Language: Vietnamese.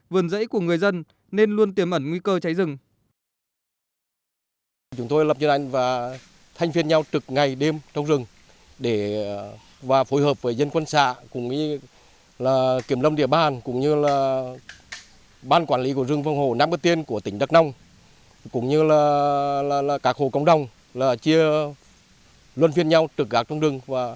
vườn rẫy của người dân nên luôn tiềm ẩn nguy cơ cháy rừng